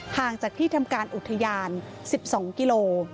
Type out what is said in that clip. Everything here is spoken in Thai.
ห่างจากที่ทำการอุทยาน๑๒กิโล